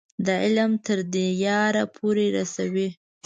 د علم تر دیاره پورې رسوي.